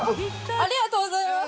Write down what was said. ありがとうございます。